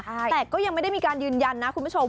แต่ก็ยังไม่ได้มีการยืนยันนะคุณผู้ชม